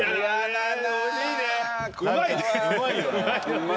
うまい。